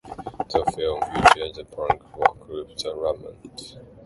The film featured the punk rock group the Ramones.